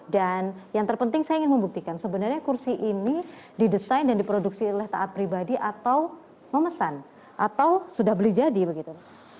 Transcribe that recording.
dan yang terpenting saya ingin membuktikan sebenarnya kursi ini didesain dan diproduksi oleh taat pribadi atau memesan atau sudah beli jadi begitu